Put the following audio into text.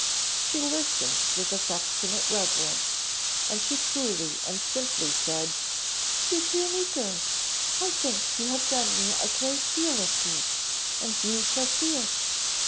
She listened with affectionate reverence, and she truly and simply said, "You do me good I think you have done me a great deal of good and you shall see it."